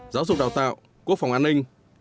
giáo dục đào tạo quốc phòng an ninh